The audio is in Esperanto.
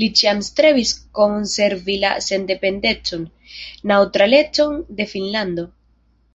Li ĉiam strebis konservi la sendependecon, neŭtralecon de Finnlando.